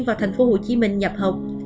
vào thành phố hồ chí minh nhập học